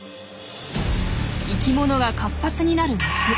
生きものが活発になる夏。